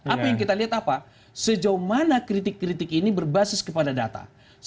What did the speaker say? apa yang kita lihat apa sejauh mana kritik kritik ini berbasis kepada data